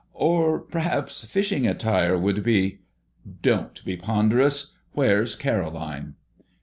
"Or perhaps fishing attire would be ?" "Don't be ponderous. Where's Caroline?"